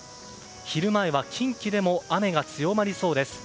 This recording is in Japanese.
昼前は近畿でも雨が強まりそうです。